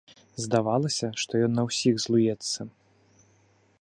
Здавалася, што ён на ўсіх злуецца.